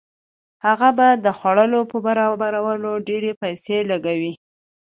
هغه به د خوړو په برابرولو ډېرې پیسې لګولې.